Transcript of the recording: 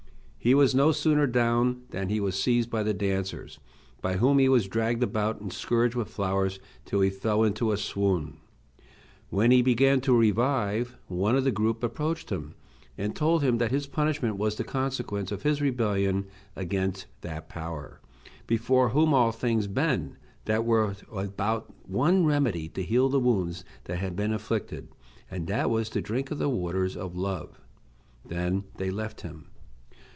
He was no sooner down than he was seized by the dancers, by whom he was dragged about and scourged with flowers till he fell into a swoon. When he began to revive one of the group approached him, and told him that his punishment was the consequence of his rebellion against that power before whom all things bend; that there was but one remedy to heal the wounds that had been inflicted, and that was to drink of the waters of Love. Then they left him.